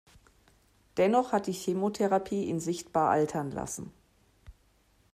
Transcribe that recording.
Dennoch hat die Chemotherapie ihn sichtbar altern lassen.